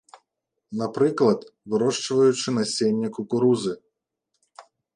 Напрыклад, вырошчваючы насенне кукурузы.